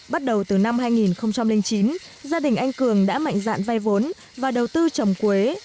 bắt đầu từ năm hai nghìn chín gia đình anh cường đã mạnh dạn vay vốn và đầu tư trồng quế